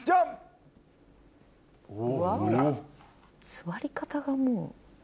座り方がもう。